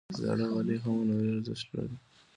زاړه غالۍ هم هنري ارزښت لري.